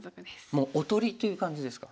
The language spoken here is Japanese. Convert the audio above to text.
もうおとりという感じですか。